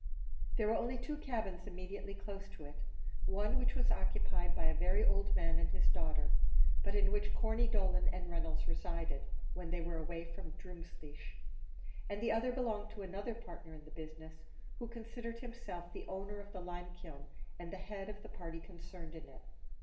There were only two cabins immediately close to it; one of which was occupied by a very old man and his daughter, but in which Corney Dolan and Reynolds resided, when they were away from Drumleesh; and the other belonged to another partner in the business, who considered himself the owner of the limekiln, and the head of the party concerned in it.